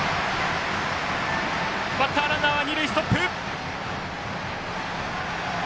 バッターランナーは二塁ストップ。